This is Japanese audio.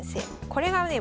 これがね